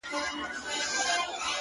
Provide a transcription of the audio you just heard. خداى خو دې هركله د سترگو سيند بهانه لري’